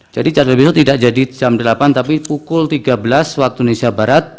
jadi jadi hari besok tidak jadi jam delapan tapi pukul tiga belas waktu indonesia barat